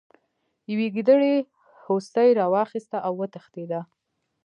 یوې ګیدړې هوسۍ راواخیسته او وتښتیده.